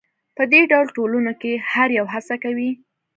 په دې ډول ټولنو کې هر یو هڅه کوي.